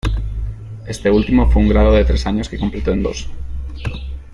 Este último fue un grado de tres años que completó en dos.